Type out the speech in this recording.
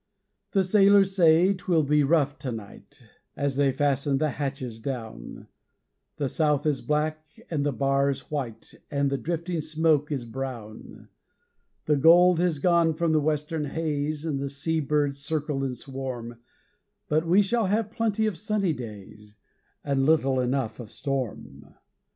The sailors say 'twill be rough to night, As they fasten the hatches down, The south is black, and the bar is white, And the drifting smoke is brown. The gold has gone from the western haze, The sea birds circle and swarm But we shall have plenty of sunny days, And little enough of storm.